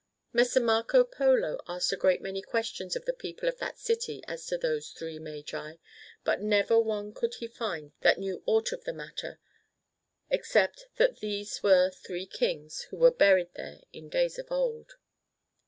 Messer Marco Polo asked a great many questions of the people of that city as to those Three Magi, but never one could he find that knew aught of the matter, except that these were three kings who were buried there in days of old.